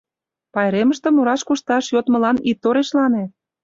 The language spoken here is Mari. «Пайремыште мураш-кушташ йодмылан ит торешлане».